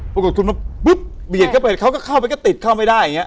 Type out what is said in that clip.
ปรากฏคุณมาปุ๊บเบียดเข้าไปเขาก็เข้าไปก็ติดเข้าไม่ได้อย่างนี้